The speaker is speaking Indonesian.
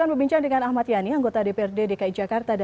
enggak enggak begitu